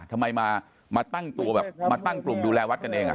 ทำไมมาตั้งตัวแบบมาตั้งกลุ่มดูแลวัดกันเอง